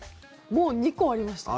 もう２個ありました。